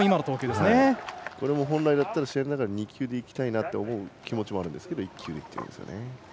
これも本来だったら試合の中で２球いきたいなという気持ちもあるんですけど１球でいっています。